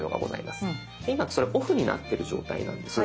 今それオフになってる状態なんです。